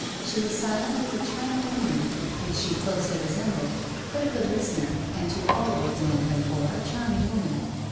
She was silent as a china ornament, which she closely resembled, but a good listener, and to all old men, therefore, a charming woman.